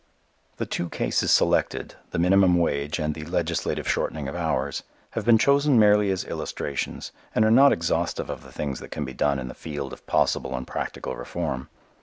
The two cases selected, the minimum wage and the legislative shortening of hours, have been chosen merely as illustrations and are not exhaustive of the things that can be done in the field of possible and practical reform.